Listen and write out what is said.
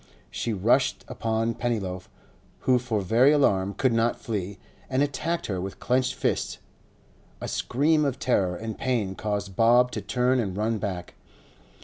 She rushed upon Pennyloaf, who for very alarm could not flee, and attacked her with clenched fists. A scream of terror and pain caused Bob to turn and run back.